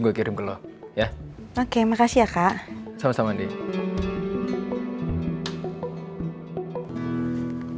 gue kirim ke lo ya oke makasih ya kak sama sama nih